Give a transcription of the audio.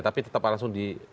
tapi tetap langsung di